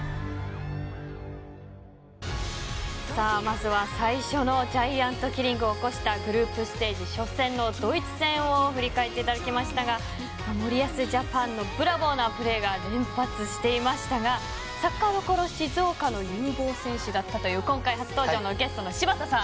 さあ、まずは最初のジャイアントキリングを起こしたグループステージ初戦のドイツ戦を振り返っていただきましたが森保ジャパンのブラボーなプレーが連発していましたがサッカーどころ、静岡の有望選手が今回初登場のゲストの柴田さん。